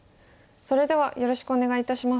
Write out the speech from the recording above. それではよろしくお願いいたします。